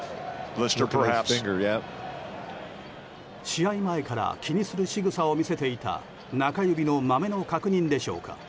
試合前から気にするしぐさを見せていた中指のマメの確認でしょうか。